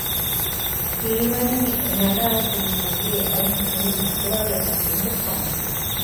ހީވަނީ ނަނާއެކު މަގޭ އަތް ހުޅުން އުފުރާލައިގެން ގެންގޮސްފާނެ ހެން